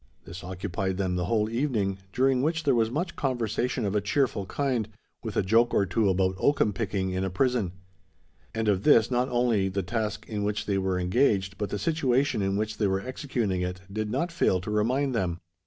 This occupied them the whole evening during which there was much conversation of a cheerful kind, with a joke or two about oakum picking in a prison; and of this, not only the task in which they were engaged, but the situation in which they were executing it, did not fail to remind them.